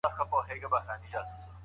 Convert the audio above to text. د هغې په ناسته کې یو ډول ځنډ و.